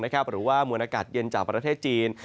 หรือว่ามวลอากาศเย็นจากประเทศจีน